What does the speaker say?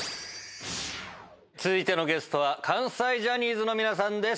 続いてのゲストは関西ジャニーズの皆さんです。